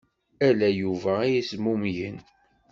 Ala Yuba ay yezmumgen.